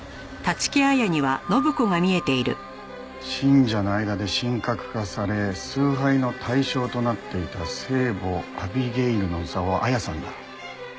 信者の間で神格化され崇拝の対象となっていた聖母アビゲイルの座を彩さんが。